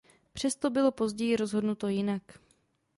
Přesto bylo později rozhodnuto jinak.